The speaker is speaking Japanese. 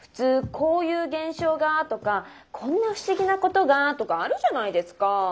「こういう現象がー」とか「こんな不思議なことがー」とかあるじゃないですかぁ。